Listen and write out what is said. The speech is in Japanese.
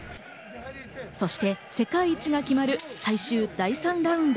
そして世界一が決まる最終第３ラウンド。